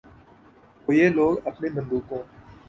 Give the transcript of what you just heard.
کو یہ لوگ اپنی بندوقوں